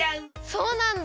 そうなんだ。